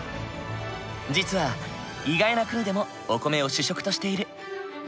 実は意外な国でもお米を主食としている。